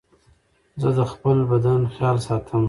زه د خپل بدن خيال ساتم.